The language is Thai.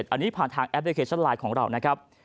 อันนี้ผ่านทางแอปพลิเคชันไลน์ของเรานะครับ